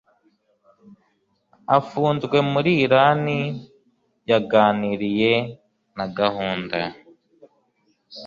afunzwe muri Irani yaganiriye na gahunda